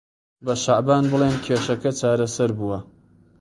بە شەعبان بڵێن کێشەکە چارەسەر بووە.